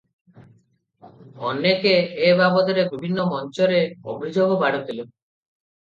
ଅନେକେ ଏ ବାବଦରେ ବିଭିନ୍ନ ମଞ୍ଚରେ ଅଭିଯୋଗ ବାଢୁଥିଲେ ।